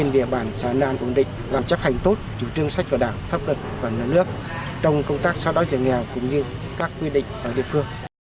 địa bàn xã nam cũng định làm chấp hành tốt chủ trương sách vào đảng pháp luật và nhà nước trong công tác sau đó trở nghèo cũng như các quy định ở địa phương